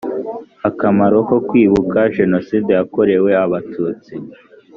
akamaro ko kwibuka jenoside yakorewe abatutsi